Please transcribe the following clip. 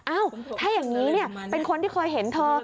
เอ้าถ้าอย่างนี้เป็นคนที่เคยเห็นเธอ